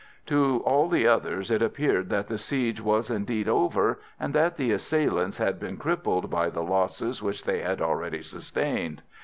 To all the others it appeared that the siege was indeed over, and that the assailants had been crippled by the losses which they had already sustained.